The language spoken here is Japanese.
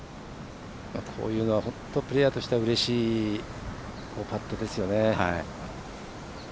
こういうのは本当プレーヤーとしてはうれしいパットですよね。